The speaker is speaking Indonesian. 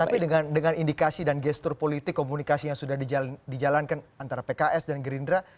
tapi dengan indikasi dan gestur politik komunikasi yang sudah dijalankan antara pks dan gerindra